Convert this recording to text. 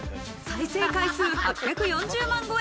再生回数８４０万超え。